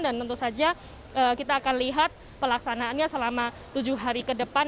dan tentu saja kita akan lihat pelaksanaannya selama tujuh hari ke depan